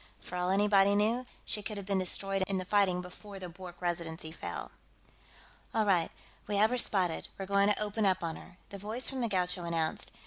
For all anybody knew, she could have been destroyed in the fighting before the Bwork Residency fell. "All right, we have her spotted; we're going to open up on her," the voice from the Gaucho announced.